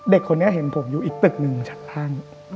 เด็กคนนี้เห็นผมอยู่อีกตึกหนึ่งชัดข้าง